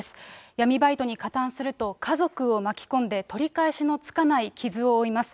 闇バイトに加担すると家族を巻き込んで、取り返しのつかない傷を負います。